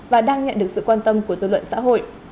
và đang nhận được sự quan tâm của dư luận xã hội